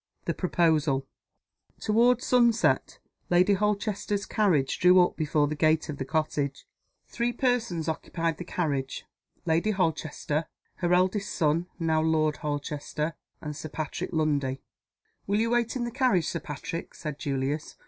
THE PROPOSAL. TOWARD sunset, Lady Holchester's carriage drew up before the gate of the cottage. Three persons occupied the carriage: Lady Holchester, her eldest son (now Lord Holchester), and Sir Patrick Lundie. "Will you wait in the carriage, Sir Patrick?" said Julius.